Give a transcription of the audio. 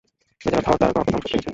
বেচারা থর তার গ্রহকে ধ্বংস হতে দেখেছে।